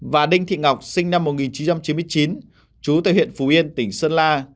và đinh thị ngọc sinh năm một nghìn chín trăm chín mươi chín chú tại huyện phú yên tỉnh sơn la